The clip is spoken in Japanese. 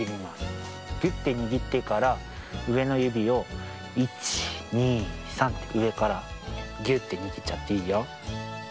ぎゅってにぎってからうえのゆびを１２３ってうえからぎゅってにぎっちゃっていいよ。